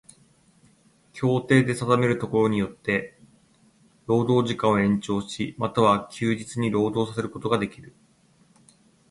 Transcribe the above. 協定で定めるところによつて労働時間を延長し、又は休日に労働させることができる。